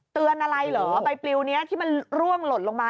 อะไรเหรอใบปลิวนี้ที่มันร่วงหล่นลงมา